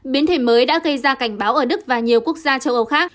biến thể mới đã gây ra cảnh báo ở đức và nhiều quốc gia châu âu khác